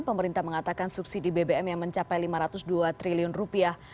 pemerintah mengatakan subsidi bbm yang mencapai lima ratus dua triliun rupiah